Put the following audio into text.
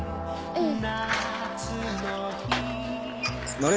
うん。